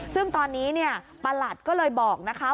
ซึ่งตอนนี้เนี่ยประหลัดก็เลยบอกนะคะ